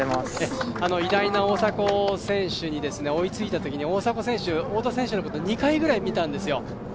偉大な大迫選手に追いついたときに大迫選手、太田選手のこと２回ぐらい見たんですよ。